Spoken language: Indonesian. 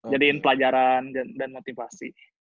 jadiin pelajaran dan motivasi